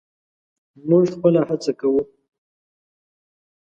موږ خپله هڅه کوو.